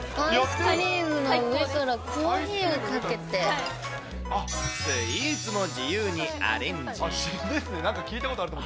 スイーツも自由にアレンジ。